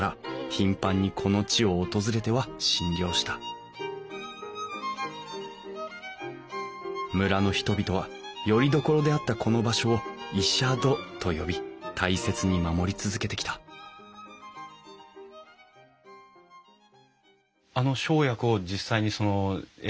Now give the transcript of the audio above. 頻繁にこの地を訪れては診療した村の人々はよりどころであったこの場所を医者殿と呼び大切に守り続けてきたあの生薬を実際に榮順先生も末雄先生もこうやって。